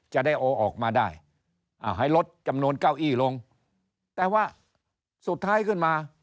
จะได้เอาออกมาได้ให้ลดจำนวนเก้าอี้ลงแต่ว่าสุดท้ายขึ้นมา